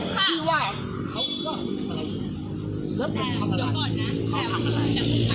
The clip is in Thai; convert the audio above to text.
ไม่ได้คุณทำอะไรกับพี่ชายฉันไม่ได้